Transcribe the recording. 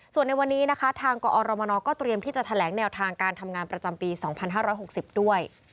ส่วนในวันนี้นะคะทางกอรมนก็เตรียมที่จะแถลงแนวทางการทำงานประจำปี๒๕๖๐ด้วย